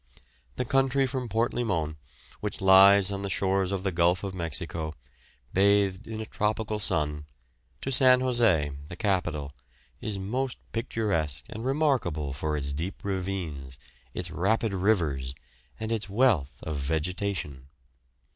The country from Port Limon, which lies on the shores of the Gulf of Mexico, bathed in a tropical sun, to San José, the capital, is most picturesque and remarkable for its deep ravines, its rapid rivers, and its wealth of vegetation.